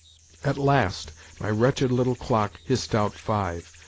At last my wretched little clock hissed out five.